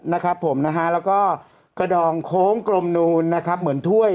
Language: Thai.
แล้วก็กระดองโค้งกลมนูนเหมือนถ้วย